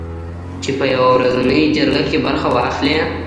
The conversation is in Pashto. چې په یوه ورځنۍ جرګه کې برخه واخلي